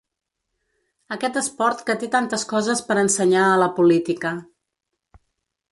Aquest esport que té tantes coses per ensenyar a la política.